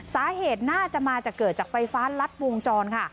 สาเหตุน่าจะมาจากเกิดจากไฟฟ้ารัดวงจรค่ะ